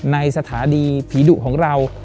สถานีผีดุของเรา